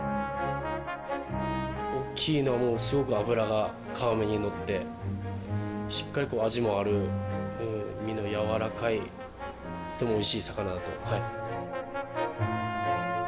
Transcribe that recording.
おっきいのはもうすごく脂が皮目にのってしっかりこう味もある身の柔らかいとてもおいしい魚だとはい。